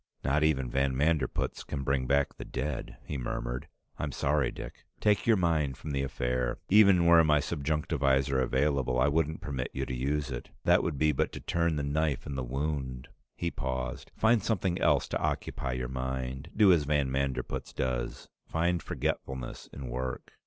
"Not even van Manderpootz can bring back the dead," he murmured. "I'm sorry, Dick. Take your mind from the affair. Even were my subjunctivisor available, I wouldn't permit you to use it. That would be but to turn the knife in the wound." He paused. "Find something else to occupy your mind. Do as van Manderpootz does. Find forgetfulness in work."